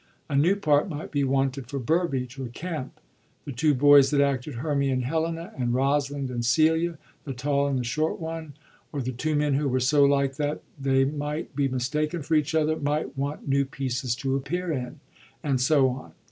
A new part might be wanted for Burbage or Kempe. The two boys that acted Hermia and Helena [and Rosalind and Gelia] — the tall and the short one, — or the two men who were so like that they might be mistaken for each other, might want new pieces to appear in ;^ and so on.